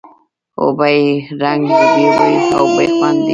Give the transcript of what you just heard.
اوبه بې رنګ، بې بوی او بې خوند دي.